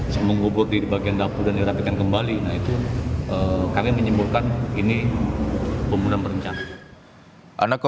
sebelum mengubur di bagian dapur dan dirapikan kembali kami menyembuhkan ini pemudam perencanaan